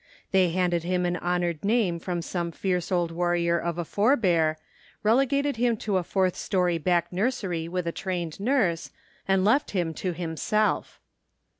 They handed him an honored name from some fierce old warrior of a forebear, relegated him to a fourth story back nursery with a trained nurse, and left him to himself.